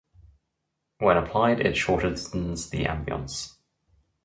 When applied it shortens the ambience.